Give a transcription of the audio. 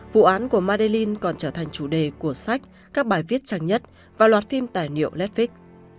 vụ án của madeleine còn trở thành chủ đề của sách các bài viết trang nhất và loạt phim tài niệu netflix